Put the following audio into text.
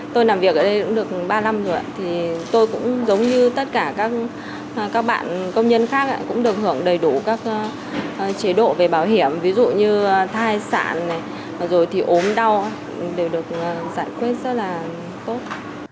tôi làm việc ở đây cũng được ba năm rồi thì tôi cũng giống như tất cả các bạn công nhân khác cũng được hưởng đầy đủ các chế độ về bảo hiểm ví dụ như thai sản rồi thì ốm đau đều được giải quyết rất là tốt